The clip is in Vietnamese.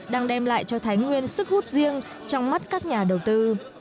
đang đem lại cho thái nguyên sức hút riêng trong mắt các nhà đầu tư